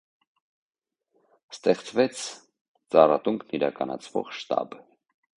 Ստեղծվեց ծառատունկն իրականացնող շտաբ։